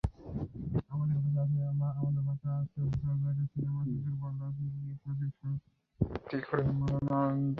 আমাদের ভাষা আছে ভাষার জায়গায়, সিনেমা দুর্বল, রাজনীতি নেতিবাচক শক্তিক্ষয়ের মারণযন্ত্র।